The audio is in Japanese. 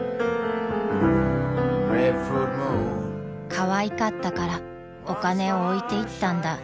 ［かわいかったからお金を置いていったんだ］